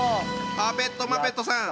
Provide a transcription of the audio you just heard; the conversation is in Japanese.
パペットマペットさん